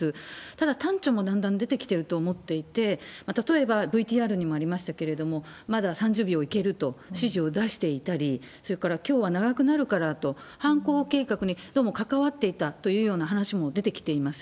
ただ、端緒もだんだん出てきていると思っていて、例えばＶＴＲにもありましたけれども、まだ３０秒いけると指示を出していたり、それからきょうは長くなるからと、犯行計画に、どうも関わっていたというような話も出てきています。